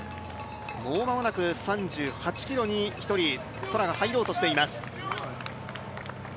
もうまもなく３８ｋｍに１人トラが入ろうとしています。